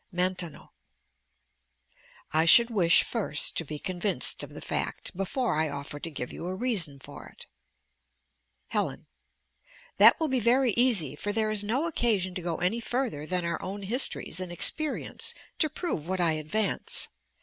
Maintenon I should wish first to be convinced of the fact, before I offer to give you a reason for it. Helen That will be very easy; for there is no occasion to go any further than our own histories and experience to prove what I advance.